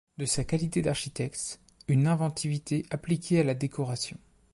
De sa qualité d'architecte, une inventivité appliquée à la décoration.